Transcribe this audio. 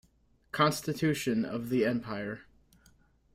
Constitution of the empire.